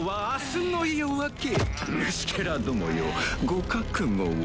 虫けらどもよご覚悟を。